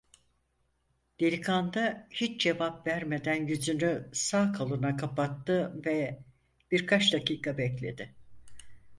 Delikanlı hiç cevap vermeden yüzünü sağ koluna kapattı ve birkaç dakika bekledi.